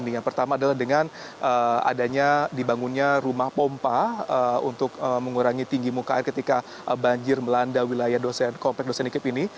yang pertama adalah dengan adanya dibangunnya rumah pompa untuk mengurangi tinggi muka air ketika banjir melanda wilayah dosen komplek dosen nikib ini